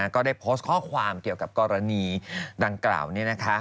ก็ได้โพสต์ข้อความเกี่ยวกับกรณีดังกล่าวนี้นะคะ